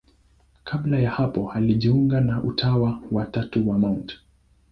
Kabla ya hapo alijiunga na Utawa wa Tatu wa Mt.